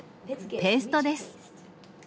ペーストです。